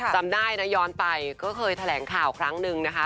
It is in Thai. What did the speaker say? จำได้นะย้อนไปก็เคยแถลงข่าวครั้งหนึ่งนะคะ